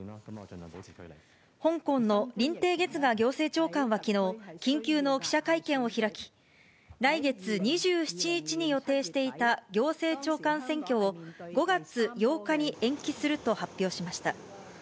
香港の林鄭月娥行政長官はきのう、緊急の記者会見を開き、来月２７日に予定していた行政長官選挙を、５月８日に延期すると発表しました。